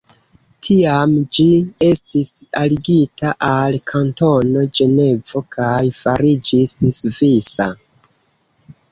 Tiam ĝi estis aligita al Kantono Ĝenevo kaj fariĝis svisa.